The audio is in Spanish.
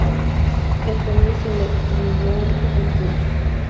En Perú se le rindió un reconocimiento.